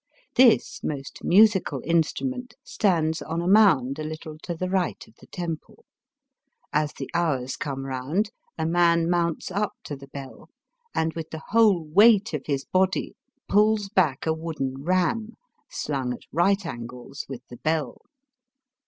This most musical instrument stands on a mound a little to the right of the temple. As the hours come round a man mounts up to the bell, and with the whole weight of his body pulls back a wooden ram slung at right angles with the Digitized by VjOOQIC 260 BAST BY WEST. bell.